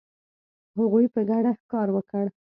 هغوی په ګډه ښکار وکړ.